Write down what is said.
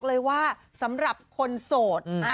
เลยว่าสำหรับคนโสด